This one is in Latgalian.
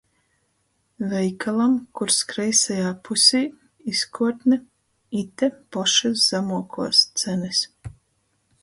Veikalam, kurs kreisajā pusī - izkuortne "Ite pošys zamuokuos cenys".